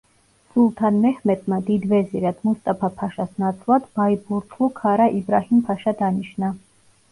სულთან მეჰმედმა, დიდ ვეზირად, მუსტაფა-ფაშას ნაცვლად, ბაიბურთლუ ქარა იბრაჰიმ-ფაშა დანიშნა.